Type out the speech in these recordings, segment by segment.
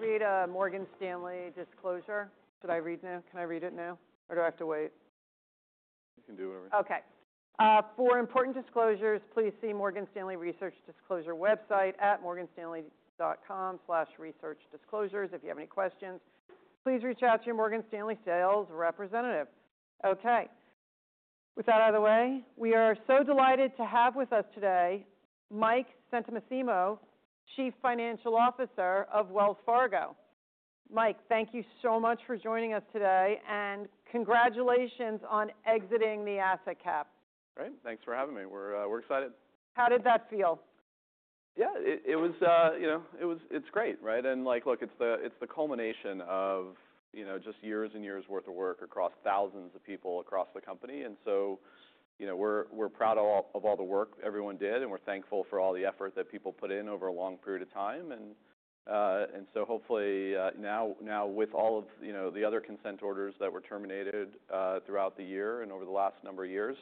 Can I read a Morgan Stanley disclosure? Should I read now? Can I read it now? Or do I have to wait? You can do whatever. Okay. For important disclosures, please see Morgan Stanley Research Disclosure website at morganstanley.com/researchdisclosures. If you have any questions, please reach out to your Morgan Stanley sales representative. Okay. With that out of the way, we are so delighted to have with us today Mike Santomassimo, Chief Financial Officer of Wells Fargo. Mike, thank you so much for joining us today, and congratulations on exiting the asset cap. Great. Thanks for having me. We're excited. How did that feel? Yeah. It was, you know, it's great, right? Like, look, it's the culmination of, you know, just years and years' worth of work across thousands of people across the company. You know, we're proud of all the work everyone did, and we're thankful for all the effort that people put in over a long period of time. Hopefully, now, with all of, you know, the other consent orders that were terminated throughout the year and over the last number of years,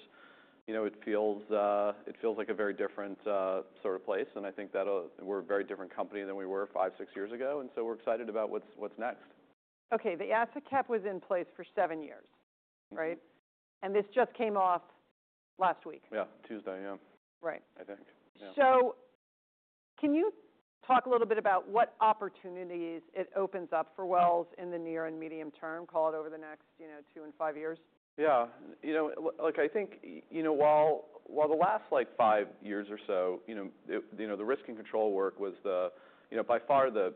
you know, it feels like a very different sort of place. I think that we're a very different company than we were five, six years ago. We're excited about what's next. Okay. The asset cap was in place for seven years, right? Mm-hmm. This just came off last week. Yeah. Tuesday, yeah. Right. I think. Yeah. Can you talk a little bit about what opportunities it opens up for Wells in the near and medium term, call it over the next, you know, two and five years? Yeah. You know, look, I think, you know, while the last, like, five years or so, you know, the risk and control work was by far the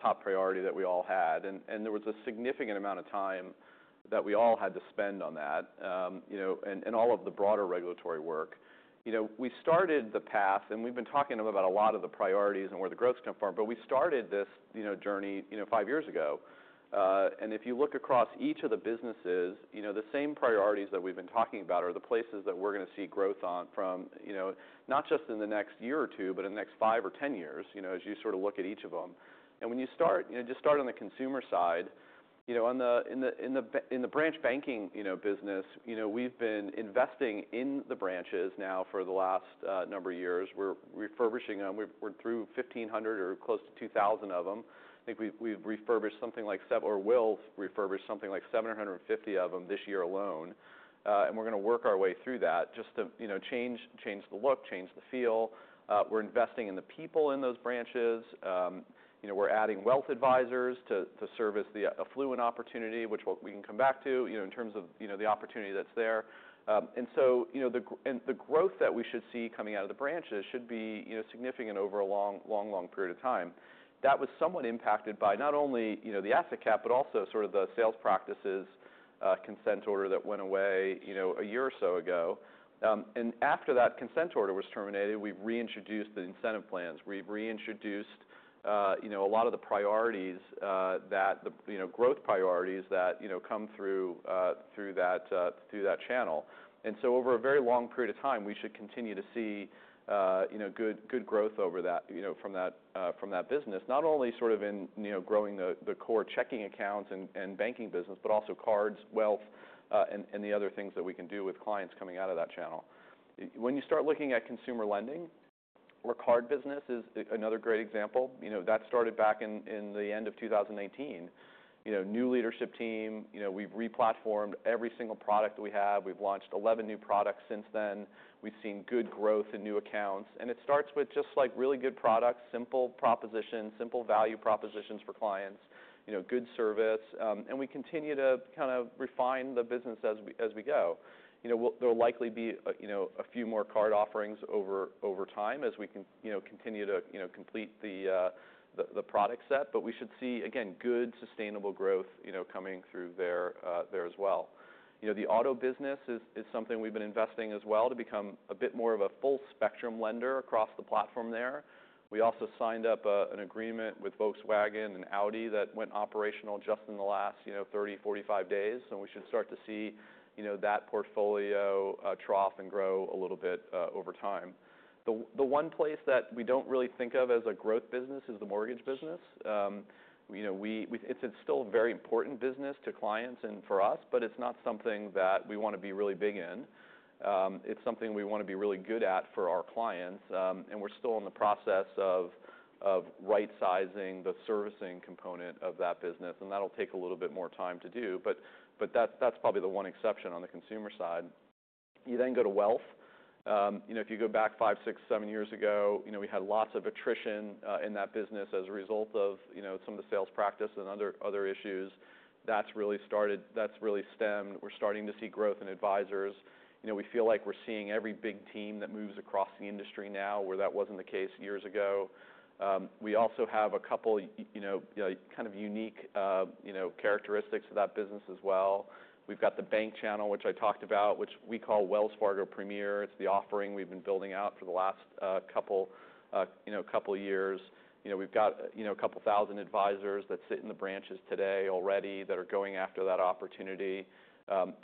top priority that we all had. There was a significant amount of time that we all had to spend on that, you know, and all of the broader regulatory work. You know, we started the path, and we've been talking about a lot of the priorities and where the growth's gonna form, but we started this journey, you know, five years ago. If you look across each of the businesses, you know, the same priorities that we've been talking about are the places that we're gonna see growth on from, you know, not just in the next year or two, but in the next five or ten years, you know, as you sort of look at each of them. When you start, you know, just start on the consumer side, you know, in the branch banking, you know, business, you know, we've been investing in the branches now for the last number of years. We're refurbishing them. We're through 1,500 or close to 2,000 of them. I think we've refurbished, or will refurbish something like 750 of them this year alone. We're gonna work our way through that just to, you know, change, change the look, change the feel. We're investing in the people in those branches, you know, we're adding wealth advisors to, to service the, affluent opportunity, which we'll, we can come back to, you know, in terms of, you know, the opportunity that's there. And so, you know, the growth that we should see coming out of the branches should be, you know, significant over a long, long, long period of time. That was somewhat impacted by not only, you know, the asset cap, but also sort of the sales practices, consent order that went away, you know, a year or so ago, and after that consent order was terminated, we've reintroduced the incentive plans. We've reintroduced, you know, a lot of the priorities, you know, growth priorities that, you know, come through that, through that channel. Over a very long period of time, we should continue to see, you know, good growth over that, you know, from that business, not only sort of in, you know, growing the core checking accounts and banking business, but also cards, wealth, and the other things that we can do with clients coming out of that channel. When you start looking at consumer lending, where card business is another great example. You know, that started back in the end of 2019. You know, new leadership team. You know, we've replatformed every single product that we have. We've launched 11 new products since then. We've seen good growth in new accounts. It starts with just, like, really good products, simple propositions, simple value propositions for clients, you know, good service. We continue to kinda refine the business as we go. You know, there will likely be a few more card offerings over time as we can continue to complete the product set. We should see, again, good sustainable growth coming through there as well. You know, the auto business is something we've been investing in as well to become a bit more of a full-spectrum lender across the platform there. We also signed up an agreement with Volkswagen and Audi that went operational just in the last, you know, 30-45 days. We should start to see that portfolio trough and grow a little bit over time. The one place that we don't really think of as a growth business is the mortgage business. You know, it's still a very important business to clients and for us, but it's not something that we wanna be really big in. It's something we wanna be really good at for our clients. We're still in the process of right-sizing the servicing component of that business. That'll take a little bit more time to do. That's probably the one exception on the consumer side. You then go to wealth. You know, if you go back five, six, seven years ago, we had lots of attrition in that business as a result of, you know, some of the sales practice and other issues. That's really started, that's really stemmed. We're starting to see growth in advisors. You know, we feel like we're seeing every big team that moves across the industry now where that wasn't the case years ago. We also have a couple, you know, kind of unique, you know, characteristics of that business as well. We've got the bank channel, which I talked about, which we call Wells Fargo Premier. It's the offering we've been building out for the last couple, you know, couple years. You know, we've got, you know, a couple thousand advisors that sit in the branches today already that are going after that opportunity.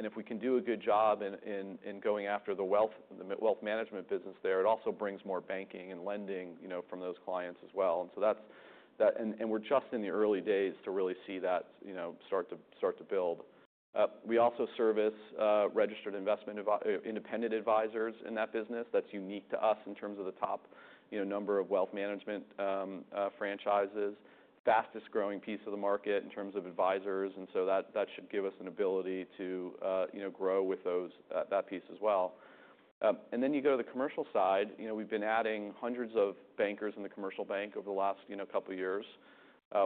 If we can do a good job in going after the wealth, the wealth management business there, it also brings more banking and lending, you know, from those clients as well. That is that, and we are just in the early days to really see that start to build. We also service registered investment independent advisors in that business. That is unique to us in terms of the top number of wealth management franchises, fastest-growing piece of the market in terms of advisors. That should give us an ability to grow with that piece as well. You go to the commercial side. We have been adding hundreds of bankers in the commercial bank over the last couple years.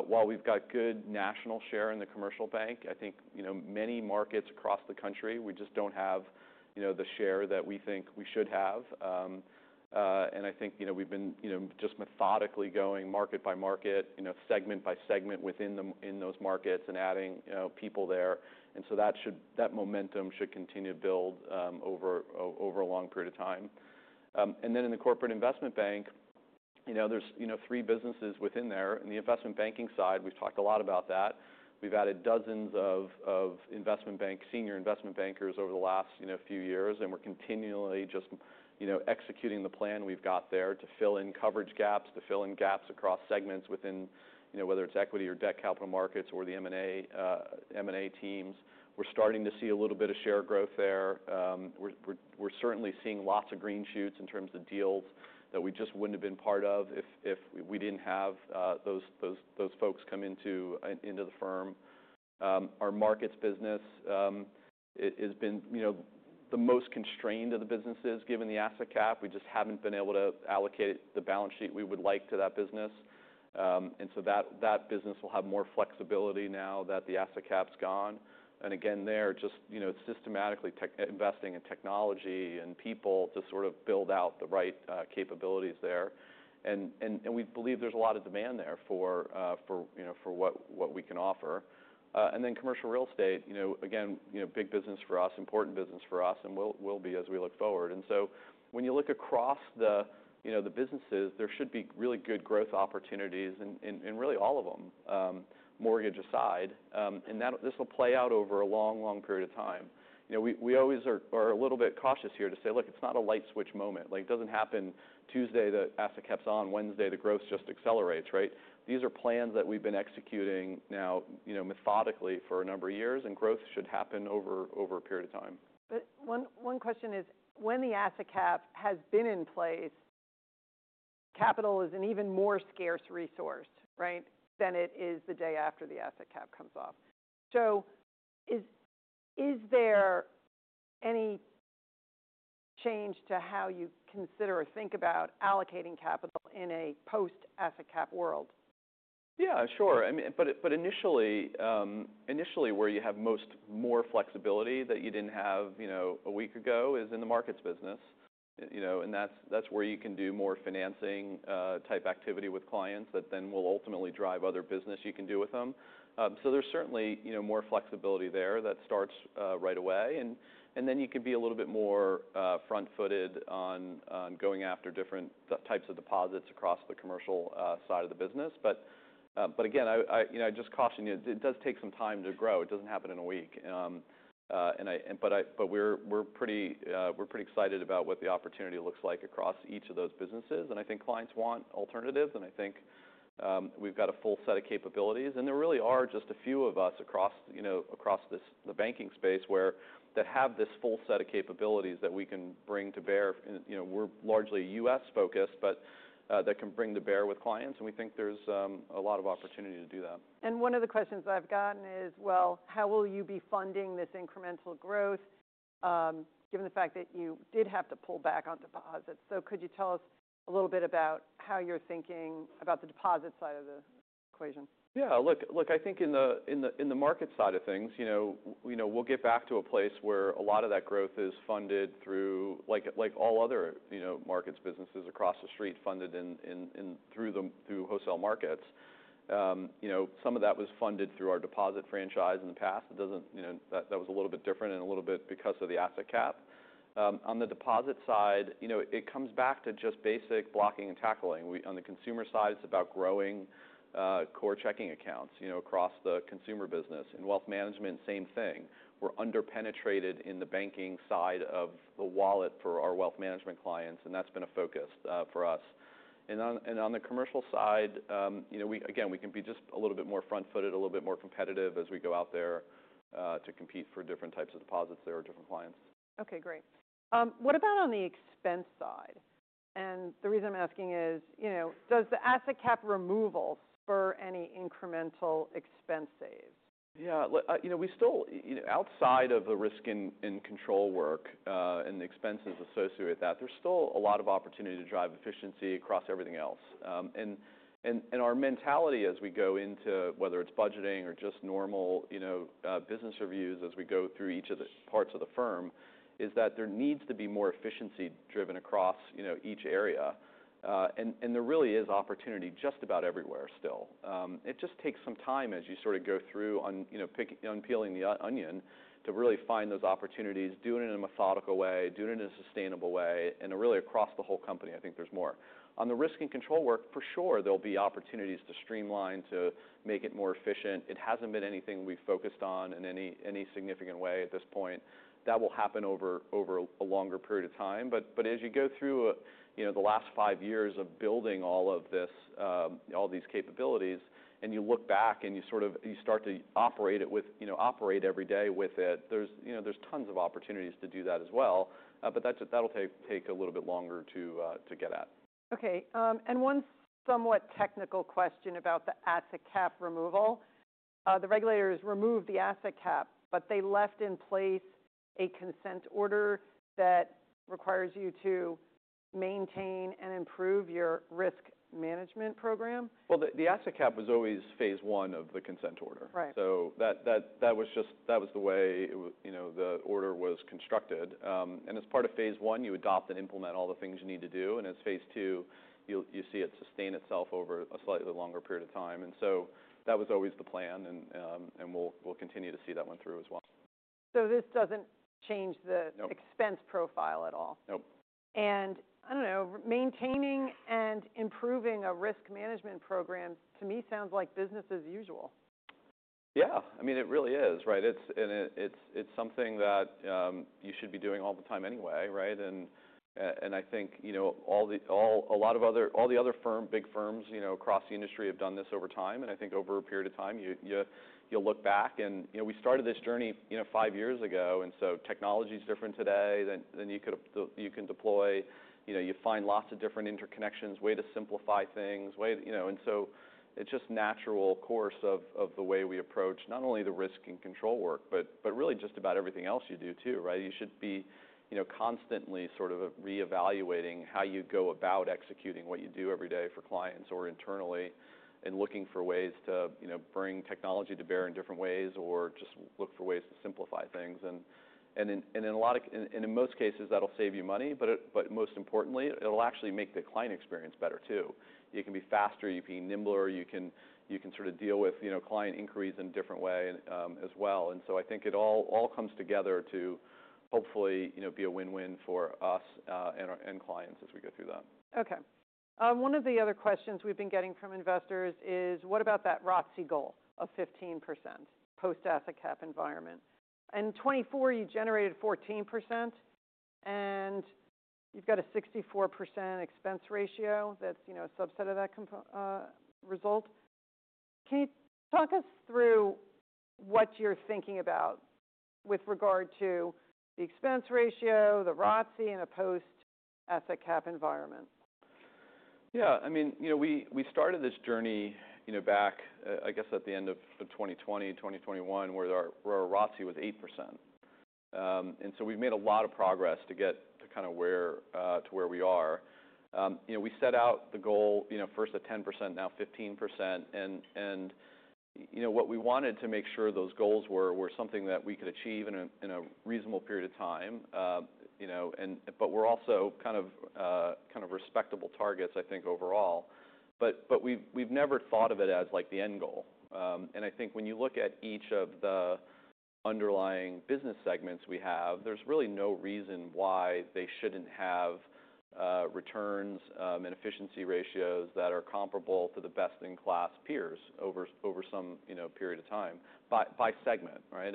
While we have good national share in the commercial bank, I think in many markets across the country, we just do not have the share that we think we should have. I think, you know, we've been just methodically going market by market, segment by segment within them in those markets and adding people there. That momentum should continue to build over a long period of time. In the corporate investment bank, there are three businesses within there. In the investment banking side, we've talked a lot about that. We've added dozens of senior investment bankers over the last few years. We're continually just executing the plan we've got there to fill in coverage gaps, to fill in gaps across segments within, whether it's equity or debt capital markets or the M&A teams. We're starting to see a little bit of share growth there. We're certainly seeing lots of green shoots in terms of deals that we just wouldn't have been part of if we didn't have those folks come into the firm. Our markets business is, you know, the most constrained of the businesses given the asset cap. We just haven't been able to allocate the balance sheet we would like to that business. That business will have more flexibility now that the asset cap's gone. They are just systematically investing in technology and people to sort of build out the right capabilities there. We believe there's a lot of demand there for what we can offer. And then commercial real estate, you know, again, you know, big business for us, important business for us, and will be as we look forward. When you look across the, you know, the businesses, there should be really good growth opportunities in, in really all of them, mortgage aside. That'll, this'll play out over a long, long period of time. You know, we always are a little bit cautious here to say, "Look, it's not a light switch moment. Like, it doesn't happen Tuesday, the asset cap's on. Wednesday, the growth just accelerates," right? These are plans that we've been executing now, you know, methodically for a number of years, and growth should happen over a period of time. One question is, when the asset cap has been in place, capital is an even more scarce resource, right, than it is the day after the asset cap comes off. Is there any change to how you consider or think about allocating capital in a post-asset cap world? Yeah, sure. I mean, initially where you have more flexibility that you did not have, you know, a week ago is in the markets business, you know, and that is where you can do more financing-type activity with clients that then will ultimately drive other business you can do with them. There is certainly more flexibility there that starts right away. You can be a little bit more front-footed on going after different types of deposits across the commercial side of the business. I just caution you, it does take some time to grow. It does not happen in a week. We are pretty excited about what the opportunity looks like across each of those businesses. I think clients want alternatives. I think we've got a full set of capabilities. There really are just a few of us across, you know, across the banking space that have this full set of capabilities that we can bring to bear. You know, we're largely U.S.-focused, but that can bring to bear with clients. We think there's a lot of opportunity to do that. One of the questions I've gotten is, "How will you be funding this incremental growth, given the fact that you did have to pull back on deposits?" Could you tell us a little bit about how you're thinking about the deposit side of the equation? Yeah. Look, I think in the market side of things, you know, we know we'll get back to a place where a lot of that growth is funded through, like, like all other, you know, markets businesses across the street, funded through wholesale markets. You know, some of that was funded through our deposit franchise in the past. It doesn't, you know, that was a little bit different and a little bit because of the asset cap. On the deposit side, you know, it comes back to just basic blocking and tackling. On the consumer side, it's about growing core checking accounts, you know, across the consumer business. In wealth management, same thing. We're underpenetrated in the banking side of the wallet for our wealth management clients, and that's been a focus for us. On the commercial side, you know, we, again, we can be just a little bit more front-footed, a little bit more competitive as we go out there to compete for different types of deposits that are different clients. Okay. Great. What about on the expense side? And the reason I'm asking is, you know, does the asset cap removal spur any incremental expense saves? Yeah. Look, you know, we still, you know, outside of the risk and control work, and the expenses associated with that, there's still a lot of opportunity to drive efficiency across everything else, and our mentality as we go into, whether it's budgeting or just normal, you know, business reviews as we go through each of the parts of the firm is that there needs to be more efficiency-driven across, you know, each area, and there really is opportunity just about everywhere still. It just takes some time as you sort of go through on, you know, unpeeling the onion to really find those opportunities, doing it in a methodical way, doing it in a sustainable way. Really across the whole company, I think there's more. On the risk and control work, for sure, there'll be opportunities to streamline to make it more efficient. It hasn't been anything we've focused on in any significant way at this point. That will happen over a longer period of time. As you go through the last five years of building all of this, all these capabilities, and you look back and you sort of, you start to operate it with, you know, operate every day with it, there's, you know, there's tons of opportunities to do that as well. That'll take a little bit longer to get at. Okay. And one somewhat technical question about the asset cap removal. The regulators removed the asset cap, but they left in place a consent order that requires you to maintain and improve your risk management program? The asset cap was always phase one of the consent order. Right. That was just, that was the way it, you know, the order was constructed. As part of phase one, you adopt and implement all the things you need to do. As phase two, you see it sustain itself over a slightly longer period of time. That was always the plan. We'll continue to see that one through as well. This doesn't change the. Nope. Expense profile at all? Nope. I don't know, maintaining and improving a risk management program to me sounds like business as usual. Yeah. I mean, it really is, right? It's, and it, it's, it's something that you should be doing all the time anyway, right? I think, you know, all the, a lot of other, all the other big firms, you know, across the industry have done this over time. I think over a period of time, you, you'll look back and, you know, we started this journey, you know, five years ago. Technology's different today than you could, you can deploy, you know, you find lots of different interconnections, way to simplify things, way to, you know, and it's just natural course of the way we approach not only the risk and control work, but really just about everything else you do too, right? You should be, you know, constantly sort of reevaluating how you go about executing what you do every day for clients or internally and looking for ways to, you know, bring technology to bear in different ways or just look for ways to simplify things. In a lot of cases, that'll save you money. Most importantly, it'll actually make the client experience better too. You can be faster. You can be nimbler. You can sort of deal with, you know, client inquiries in a different way, as well. I think it all comes together to hopefully, you know, be a win-win for us and our clients as we go through that. Okay. One of the other questions we've been getting from investors is, "What about that ROTCE goal of 15% post-asset cap environment?" In 2024, you generated 14%, and you've got a 64% expense ratio that's, you know, a subset of that result. Can you talk us through what you're thinking about with regard to the expense ratio, the ROTCE, and a post-asset cap environment? Yeah. I mean, you know, we started this journey back, I guess at the end of 2020, 2021, where our ROTCE was 8%, and so we've made a lot of progress to get to kind of where we are. You know, we set out the goal, you know, first at 10%, now 15%. You know, what we wanted to make sure those goals were, were something that we could achieve in a reasonable period of time, you know, and were also kind of respectable targets, I think, overall. We've never thought of it as, like, the end goal. I think when you look at each of the underlying business segments we have, there's really no reason why they shouldn't have returns and efficiency ratios that are comparable to the best-in-class peers over some, you know, period of time by segment, right?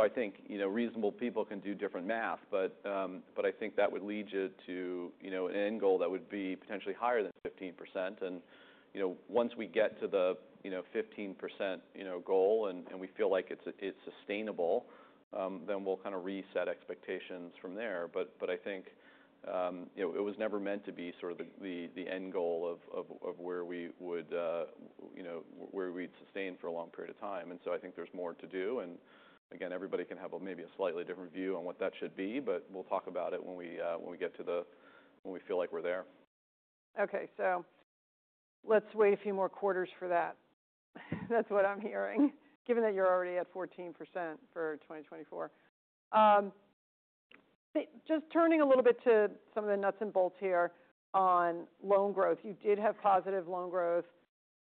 I think, you know, reasonable people can do different math. I think that would lead you to, you know, an end goal that would be potentially higher than 15%. You know, once we get to the, you know, 15% goal and we feel like it's sustainable, then we'll kind of reset expectations from there. I think, you know, it was never meant to be sort of the end goal of where we would, you know, where we'd sustain for a long period of time. I think there's more to do. Again, everybody can have maybe a slightly different view on what that should be. We'll talk about it when we get to the, when we feel like we're there. Okay. Let's wait a few more quarters for that. That's what I'm hearing, given that you're already at 14% for 2024. Just turning a little bit to some of the nuts and bolts here on loan growth. You did have positive loan growth,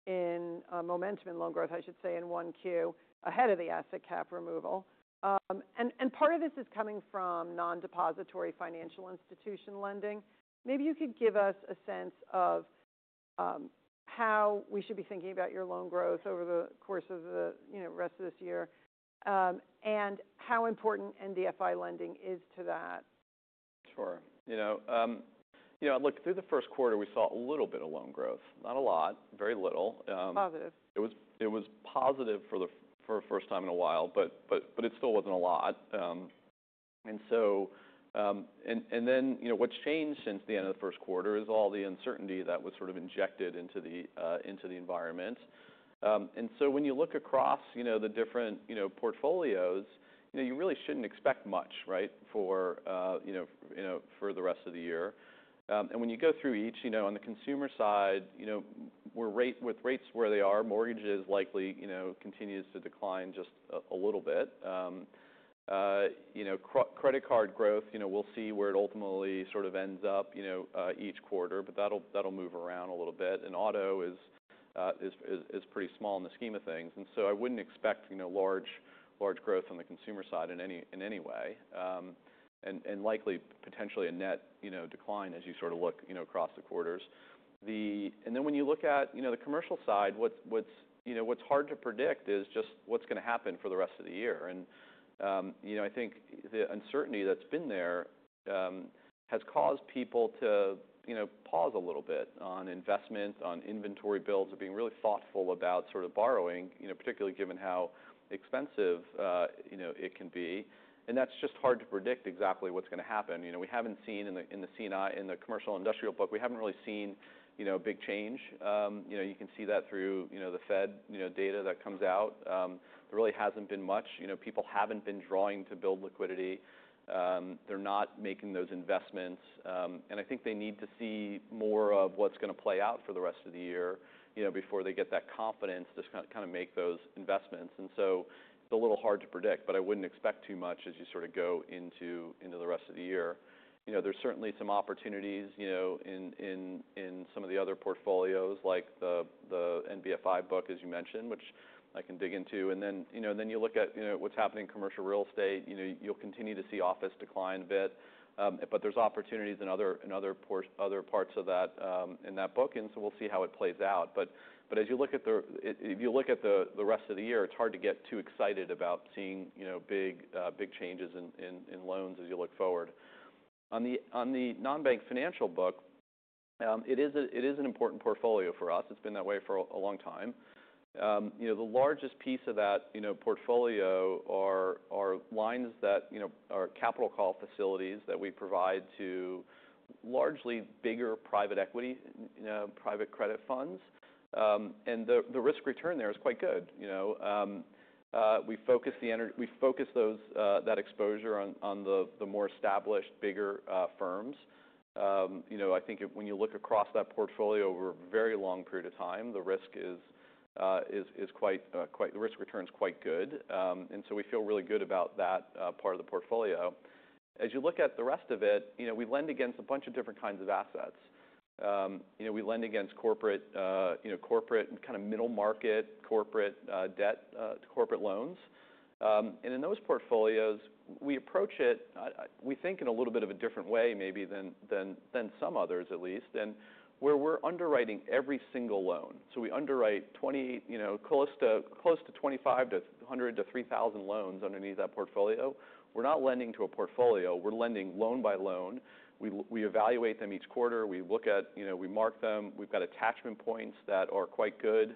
momentum in loan growth, I should say, in Q1 ahead of the asset cap removal, and part of this is coming from non-depository financial institution lending. Maybe you could give us a sense of how we should be thinking about your loan growth over the course of the rest of this year, and how important NDFI lending is to that. Sure. You know, you know, look, through the first quarter, we saw a little bit of loan growth, not a lot, very little. Positive. It was positive for the first time in a while. It still wasn't a lot, and so, and then, you know, what's changed since the end of the first quarter is all the uncertainty that was sort of injected into the environment. When you look across the different portfolios, you really shouldn't expect much, right, for the rest of the year. When you go through each, on the consumer side, with rates where they are, mortgages likely continue to decline just a little bit. Credit card growth, we'll see where it ultimately sort of ends up each quarter. That'll move around a little bit. Auto is pretty small in the scheme of things. I wouldn't expect, you know, large growth on the consumer side in any way, and likely potentially a net, you know, decline as you sort of look, you know, across the quarters. Then when you look at, you know, the commercial side, what's hard to predict is just what's gonna happen for the rest of the year. I think the uncertainty that's been there has caused people to, you know, pause a little bit on investment, on inventory builds, of being really thoughtful about sort of borrowing, you know, particularly given how expensive, you know, it can be. That's just hard to predict exactly what's gonna happen. You know, we haven't seen in the, in the commercial industrial book, we haven't really seen, you know, a big change. You know, you can see that through, you know, the Fed, you know, data that comes out. There really hasn't been much. You know, people haven't been drawing to build liquidity. They're not making those investments. I think they need to see more of what's gonna play out for the rest of the year, you know, before they get that confidence to kind of make those investments. It's a little hard to predict, but I wouldn't expect too much as you sort of go into the rest of the year. You know, there's certainly some opportunities, you know, in some of the other portfolios, like the NDFI book, as you mentioned, which I can dig into. You know, you look at what's happening in commercial real estate. You'll continue to see office declined a bit, but there's opportunities in other parts of that book. We'll see how it plays out. As you look at the rest of the year, it's hard to get too excited about seeing big changes in loans as you look forward. On the non-bank financial book, it is an important portfolio for us. It's been that way for a long time. The largest piece of that portfolio are lines that are capital call facilities that we provide to largely bigger private equity, private credit funds. The risk return there is quite good, you know. We focus that exposure on the more established, bigger firms. You know, I think when you look across that portfolio over a very long period of time, the risk return is quite good. We feel really good about that part of the portfolio. As you look at the rest of it, you know, we lend against a bunch of different kinds of assets. You know, we lend against corporate and kind of middle-market corporate debt, corporate loans. In those portfolios, we approach it, we think in a little bit of a different way maybe than some others at least, where we're underwriting every single loan. We underwrite, you know, close to 25 to 100 to 3,000 loans underneath that portfolio. We're not lending to a portfolio. We're lending loan by loan. We evaluate them each quarter. We look at, you know, we mark them. We've got attachment points that are quite good,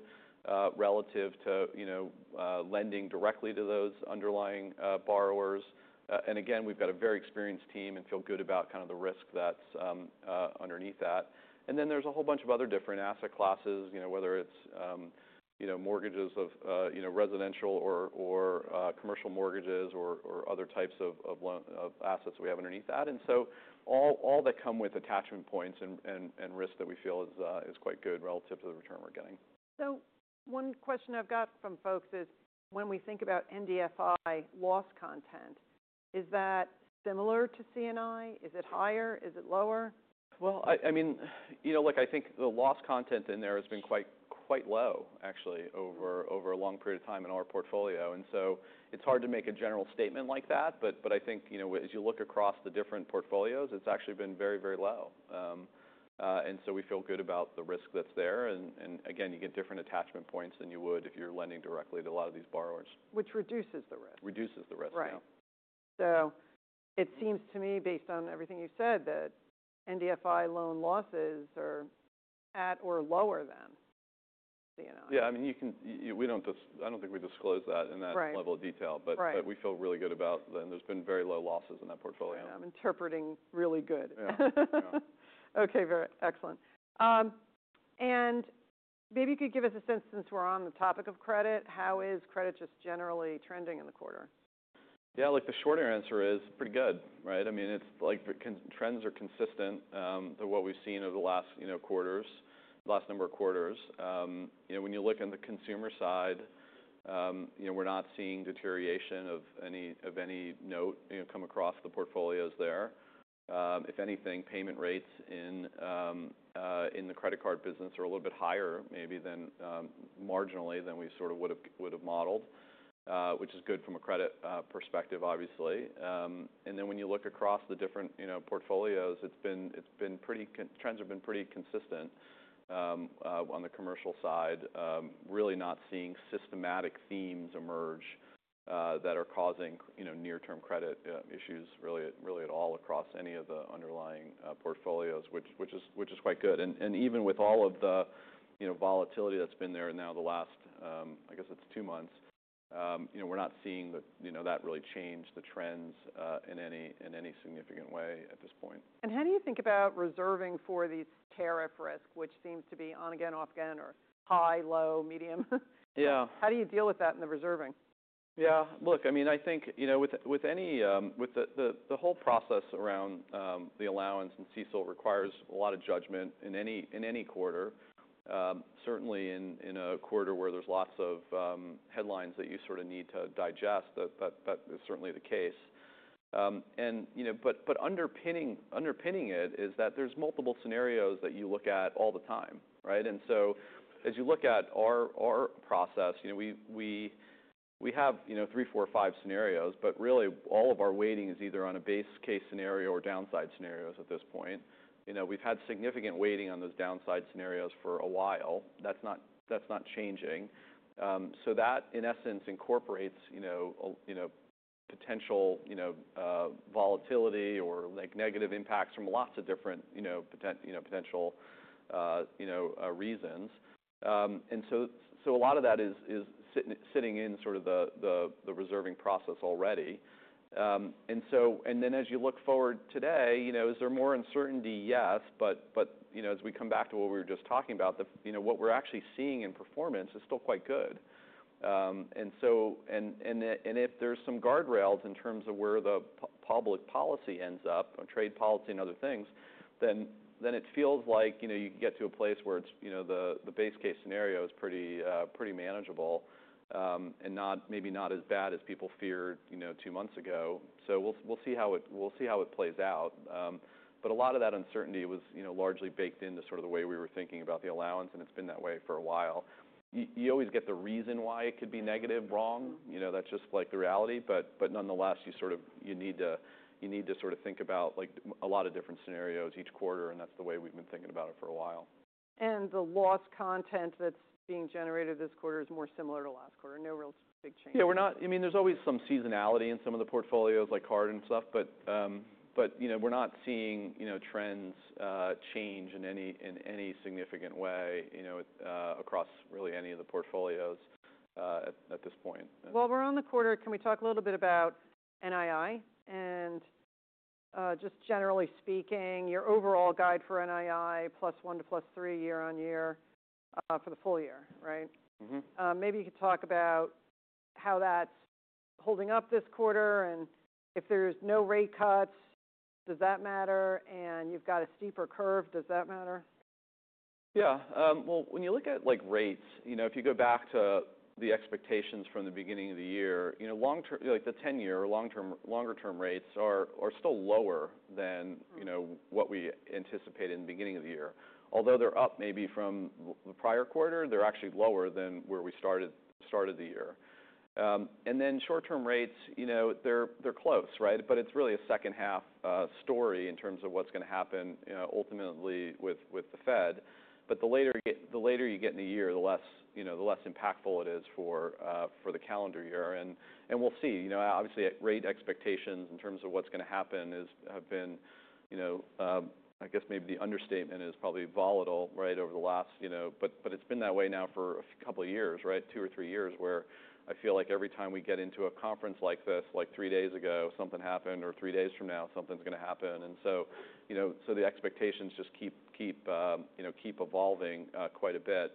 relative to, you know, lending directly to those underlying borrowers. Again, we've got a very experienced team and feel good about kind of the risk that's underneath that. There is a whole bunch of other different asset classes, you know, whether it's, you know, mortgages of, you know, residential or commercial mortgages or other types of assets we have underneath that. All that come with attachment points and risk that we feel is quite good relative to the return we're getting. One question I've got from folks is, when we think about NDFI loss content, is that similar to CNI? Is it higher? Is it lower? I mean, you know, look, I think the loss content in there has been quite, quite low, actually, over a long period of time in our portfolio. It is hard to make a general statement like that. I think, you know, as you look across the different portfolios, it has actually been very, very low. We feel good about the risk that is there. Again, you get different attachment points than you would if you are lending directly to a lot of these borrowers. Which reduces the risk. Reduces the risk, yeah. Right. It seems to me, based on everything you've said, that NDFI loan losses are at or lower than CNI. Yeah. I mean, you can, we don't dis— I don't think we disclose that in that level of detail. Right. We feel really good about that. There's been very low losses in that portfolio. Yeah. I'm interpreting really good. Yeah. Yeah. Okay. Very excellent. Maybe you could give us a sense, since we're on the topic of credit, how is credit just generally trending in the quarter? Yeah. Look, the shorter answer is pretty good, right? I mean, it's like trends are consistent to what we've seen over the last, you know, quarters, last number of quarters. You know, when you look on the consumer side, we're not seeing deterioration of any, of any note come across the portfolios there. If anything, payment rates in the credit card business are a little bit higher maybe than, marginally than we sort of would've modeled, which is good from a credit perspective, obviously. Then, when you look across the different portfolios, it's been, it's been pretty, trends have been pretty consistent on the commercial side. Really not seeing systematic themes emerge that are causing, you know, near-term credit issues really, really at all across any of the underlying portfolios, which is quite good. Even with all of the, you know, volatility that's been there now the last, I guess it's two months, you know, we're not seeing that really change the trends in any significant way at this point. How do you think about reserving for these tariff risk, which seems to be on again, off again, or high, low, medium? Yeah. How do you deal with that in the reserving? Yeah. Look, I mean, I think, you know, with any, with the whole process around the allowance and CECL requires a lot of judgment in any quarter, certainly in a quarter where there's lots of headlines that you sort of need to digest. That is certainly the case. You know, but underpinning it is that there's multiple scenarios that you look at all the time, right? As you look at our process, you know, we have three, four, five scenarios, but really, all of our weighting is either on a base case scenario or downside scenarios at this point. You know, we've had significant weighting on those downside scenarios for a while. That's not changing. That in essence incorporates, you know, a potential, you know, volatility or, like, negative impacts from lots of different, you know, potential, you know, reasons. A lot of that is sitting in sort of the reserving process already. Then as you look forward today, you know, is there more uncertainty? Yes, but, you know, as we come back to what we were just talking about, what we're actually seeing in performance is still quite good. If there are some guardrails in terms of where the public policy ends up, trade policy and other things, then it feels like, you know, you get to a place where the base case scenario is pretty manageable, and maybe not as bad as people feared, you know, two months ago. We will see how it plays out. A lot of that uncertainty was largely baked into the way we were thinking about the allowance. It has been that way for a while. You always get the reason why it could be negative wrong. Mm-hmm. You know, that's just like the reality. Nonetheless, you sort of, you need to, you need to sort of think about, like, a lot of different scenarios each quarter, and that's the way we've been thinking about it for a while. The loss content that's being generated this quarter is more similar to last quarter? No real big changes? Yeah. We're not, I mean, there's always some seasonality in some of the portfolios, like card and stuff. We're not seeing, you know, trends change in any significant way, you know, across really any of the portfolios at this point. While we're on the quarter, can we talk a little bit about NII and, just generally speaking, your overall guide for NII +1% to +3% year-on-year, for the full year, right? Mm-hmm. Maybe you could talk about how that's holding up this quarter and if there's no rate cuts, does that matter? You've got a steeper curve, does that matter? Yeah. When you look at, like, rates, you know, if you go back to the expectations from the beginning of the year, you know, long-term, like the 10-year or longer-term rates are still lower than, you know, what we anticipated in the beginning of the year. Although they're up maybe from the prior quarter, they're actually lower than where we started the year. Then short-term rates, you know, they're close, right? It's really a second half story in terms of what's gonna happen, you know, ultimately with the Fed. The later you get, the later you get in the year, the less, you know, the less impactful it is for the calendar year. We'll see, you know, obviously rate expectations in terms of what's gonna happen have been, you know, I guess maybe the understatement is probably volatile, right, over the last, you know, but it's been that way now for a couple of years, right? Two or three years where I feel like every time we get into a conference like this, like three days ago, something happened, or three days from now, something's gonna happen. The expectations just keep, you know, keep evolving, quite a bit.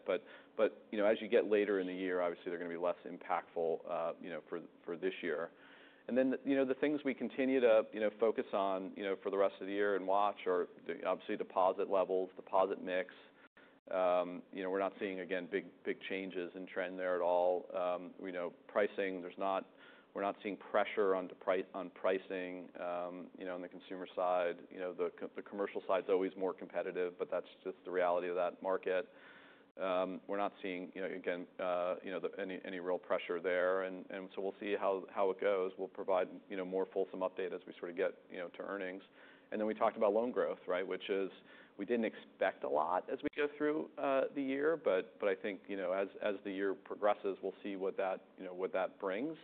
You know, as you get later in the year, obviously they're gonna be less impactful, you know, for this year. The things we continue to, you know, focus on, you know, for the rest of the year and watch are obviously deposit levels, deposit mix. You know, we're not seeing, again, big changes in trend there at all. You know, pricing, we're not seeing pressure on pricing, you know, on the consumer side. You know, the commercial side's always more competitive, but that's just the reality of that market. We're not seeing, you know, again, any real pressure there. We'll see how it goes. We'll provide, you know, a more fulsome update as we sort of get to earnings. We talked about loan growth, right, which is we didn't expect a lot as we go through the year. I think, you know, as the year progresses, we'll see what that brings.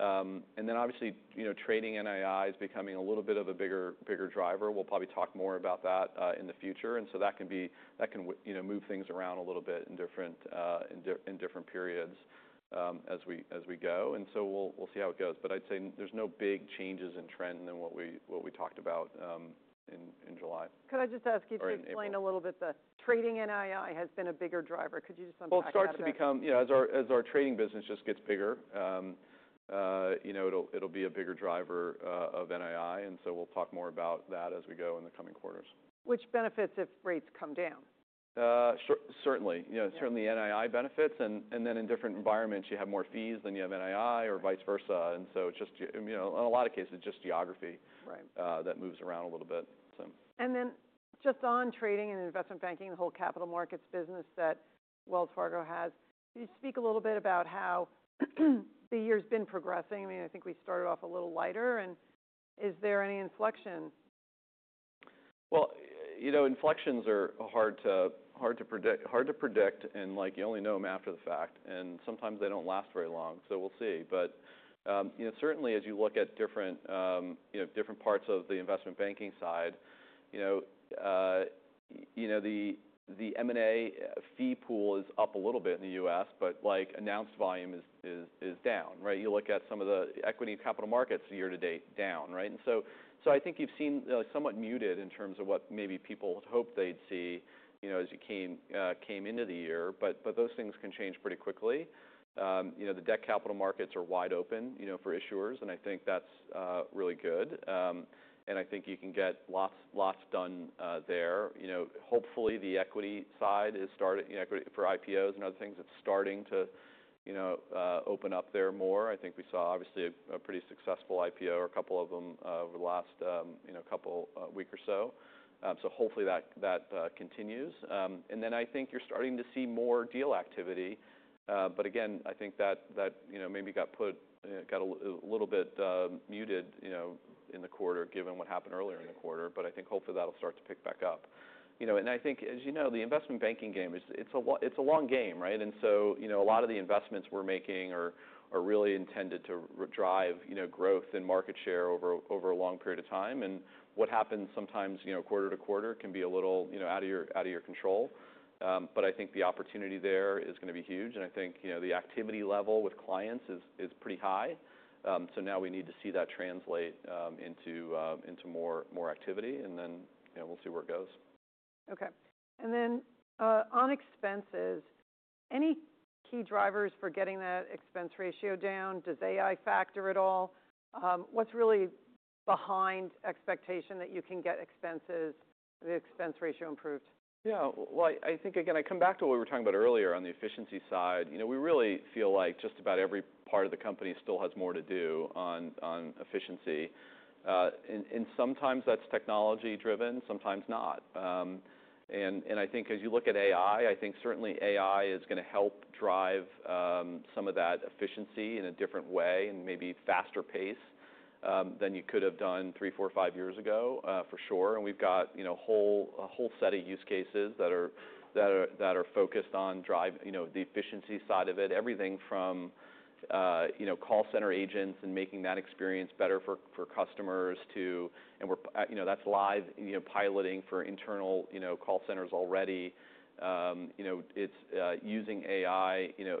Obviously, you know, trading NII is becoming a little bit of a bigger driver. We'll probably talk more about that in the future. That can, you know, move things around a little bit in different periods as we go. We'll see how it goes. I'd say there's no big changes in trend than what we talked about in July. Could I just ask you to explain a little bit, the trading NII has been a bigger driver? Could you just unpack that? It starts to become, you know, as our trading business just gets bigger, you know, it'll be a bigger driver of NII, and so we'll talk more about that as we go in the coming quarters. Which benefits if rates come down? Certainly, you know, certainly NII benefits, and then in different environments, you have more fees than you have NII or vice versa. It is just, you know, in a lot of cases, just geography. Right. That moves around a little bit, so. Just on trading and investment banking, the whole capital markets business that Wells Fargo has, could you speak a little bit about how the year's been progressing? I mean, I think we started off a little lighter. Is there any inflection? You know, inflections are hard to predict, hard to predict. Like, you only know them after the fact. Sometimes they do not last very long. We will see. You know, certainly as you look at different, you know, different parts of the investment banking side, you know, the M&A fee pool is up a little bit in the U.S., but like announced volume is down, right? You look at some of the equity capital markets year to date, down, right? I think you have seen, you know, somewhat muted in terms of what maybe people hoped they would see, you know, as you came into the year. Those things can change pretty quickly. You know, the debt capital markets are wide open, you know, for issuers. I think that is really good. I think you can get lots done there. You know, hopefully the equity side is starting, you know, equity for IPOs and other things, it's starting to, you know, open up there more. I think we saw obviously a pretty successful IPO or a couple of them over the last couple weeks or so. Hopefully that continues. I think you're starting to see more deal activity. Again, I think that maybe got put, you know, got a little bit muted in the quarter given what happened earlier in the quarter. I think hopefully that'll start to pick back up. You know, and I think, as you know, the investment banking game is, it's a long game, right? A lot of the investments we're making are really intended to drive growth and market share over a long period of time. What happens sometimes quarter to quarter can be a little out of your control. I think the opportunity there is going to be huge. I think the activity level with clients is pretty high. Now we need to see that translate into more activity. We will see where it goes. Okay. And then, on expenses, any key drivers for getting that expense ratio down? Does AI factor at all? What's really behind expectation that you can get expenses, the expense ratio improved? Yeah. I think, again, I come back to what we were talking about earlier on the efficiency side. You know, we really feel like just about every part of the company still has more to do on efficiency, and sometimes that's technology-driven, sometimes not. I think as you look at AI, I think certainly AI is gonna help drive some of that efficiency in a different way and maybe faster pace than you could have done three, four, five years ago, for sure. We've got a whole set of use cases that are focused on the efficiency side of it, everything from call center agents and making that experience better for customers to, and we're, you know, that's live, piloting for internal call centers already. You know, it's, using AI, you know,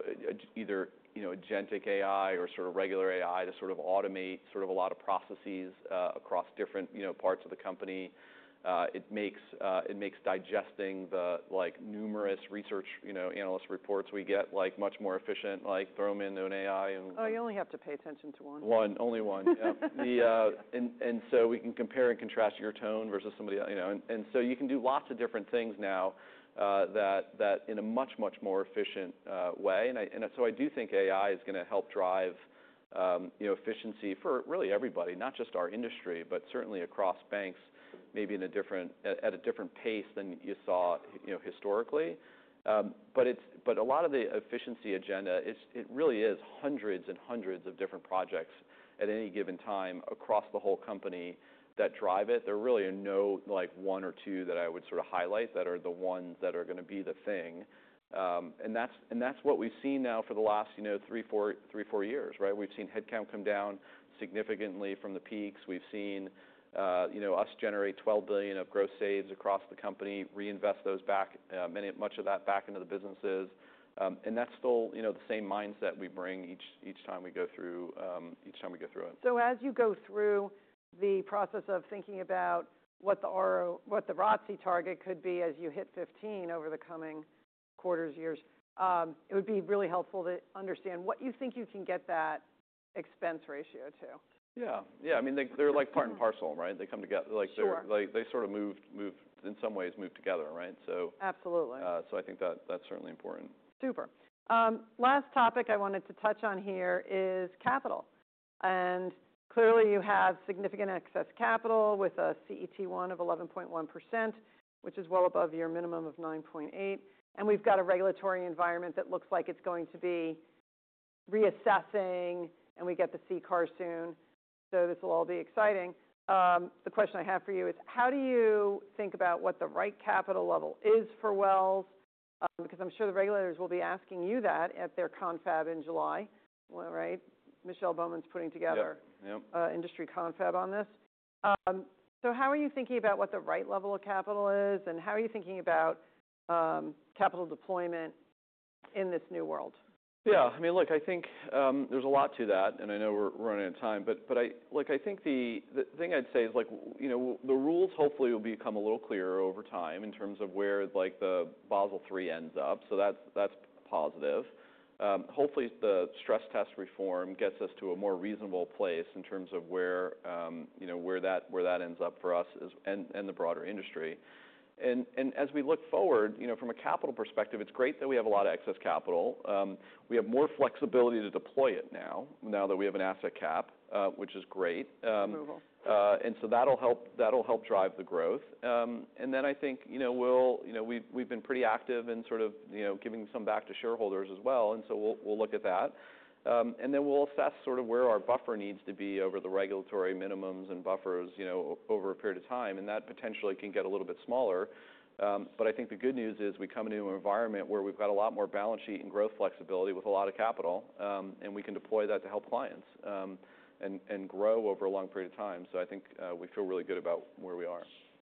either, you know, agentic AI or sort of regular AI to sort of automate, a lot of processes, across different, you know, parts of the company. It makes digesting the, like, numerous research, you know, analyst reports we get, like, much more efficient, like throw them in, throw an AI. Oh, you only have to pay attention to one. One, only one. Yep. And so we can compare and contrast your tone versus somebody else, you know. So you can do lots of different things now, in a much, much more efficient way, so I do think AI is gonna help drive, you know, efficiency for really everybody, not just our industry, but certainly across banks, maybe at a different pace than you saw, you know, historically. It's, but a lot of the efficiency agenda is, it really is hundreds and hundreds of different projects at any given time across the whole company that drive it. There really are no, like, one or two that I would sort of highlight that are the ones that are gonna be the thing. That's what we've seen now for the last, you know, three, four years, right? We've seen headcount come down significantly from the peaks. We've seen, you know, us generate $12 billion of gross saves across the company, reinvest those back, much of that back into the businesses. That's still, you know, the same mindset we bring each time we go through it. As you go through the process of thinking about what the ROTCE target could be as you hit 15% over the coming quarters, years, it would be really helpful to understand what you think you can get that expense ratio to? Yeah. Yeah. I mean, they're like part and parcel, right? They come together. Sure. Like, they sort of move, in some ways, move together, right? Absolutely. I think that that's certainly important. Super. Last topic I wanted to touch on here is capital. Clearly you have significant excess capital with a CET1 of 11.1%, which is well above your minimum of 9.8%, and we've got a regulatory environment that looks like it's going to be reassessing, and we get the CCAR soon. This will all be exciting. The question I have for you is, how do you think about what the right capital level is for Wells? Because I'm sure the regulators will be asking you that at their confab in July, right? Michelle Bowman's putting together. Yeah. Yep. Industry confab on this. How are you thinking about what the right level of capital is? And how are you thinking about capital deployment in this new world? Yeah. I mean, look, I think there's a lot to that. I know we're running out of time, but I think the thing I'd say is, you know, the rules hopefully will become a little clearer over time in terms of where the Basel III ends up. That's positive. Hopefully the stress test reform gets us to a more reasonable place in terms of where that ends up for us and the broader industry. As we look forward, you know, from a capital perspective, it's great that we have a lot of excess capital. We have more flexibility to deploy it now that we have an asset cap, which is great. Approval. That'll help drive the growth. I think, you know, we've been pretty active in sort of giving some back to shareholders as well. We'll look at that, and then we'll assess sort of where our buffer needs to be over the regulatory minimums and buffers over a period of time. That potentially can get a little bit smaller. I think the good news is we come into an environment where we've got a lot more balance sheet and growth flexibility with a lot of capital. We can deploy that to help clients and grow over a long period of time. I think we feel really good about where we are.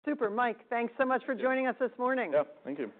Super. Mike, thanks so much for joining us this morning. Yeah. Thank you.